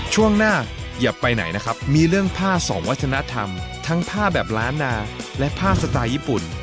ช่วงหน้าอย่าไปไหนนะครับมีเรื่องผ้าสองวัฒนธรรมทั้งผ้าแบบล้านนาและผ้าสไตล์ญี่ปุ่น